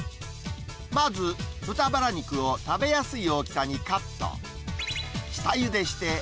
まず、豚バラ肉を食べやすい大きさにカット。